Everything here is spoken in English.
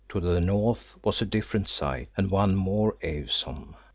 To the north was a different sight, and one more awesome.